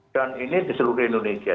dan ini di seluruh indonesia